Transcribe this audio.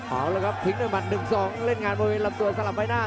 เอาละครับทิ้งด้วยหมัด๑๒เล่นงานบริเวณลำตัวสลับใบหน้า